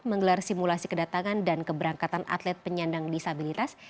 menggelar simulasi kedatangan dan keberangkatan atlet penyandang disabilitas